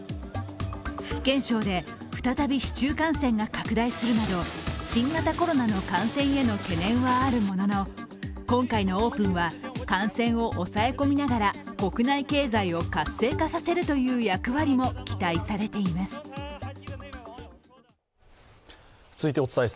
福建省で再び市中感染が拡大するなど新型コロナの感染への懸念はあるものの今回のオープンは感染を抑え込みながら国内経済を活性化させるという役割も期待されています。